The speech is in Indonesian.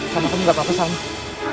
sama aku gak apa apa salma